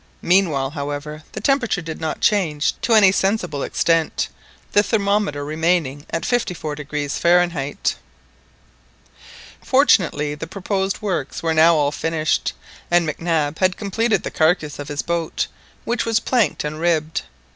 Meanwhile, however, the temperature did not change to any sensible extent, the thermometer remaining at 54° Fahrenheit. Fortunately the proposed works were now all finished, and MacNab had completed the carcass of his boat, which was planked and ribbed.